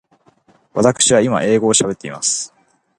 わたくしは今英語を喋っています。